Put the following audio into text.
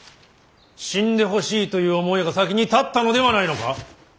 死んでほしいという思いが先に立ったのではないのか。